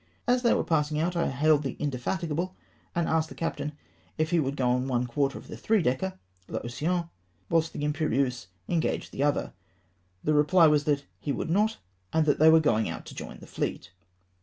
As they were passing out I hailed the Indefatigable, and asked the captain if he would go on one quarter of the three decker (I' Ocean), whilst the Imperieuse engaged the other ? The reply was that " he would not, and that they were going out to join the fleet.'"